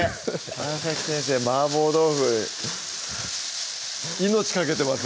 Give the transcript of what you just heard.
川先生麻婆豆腐命懸けてます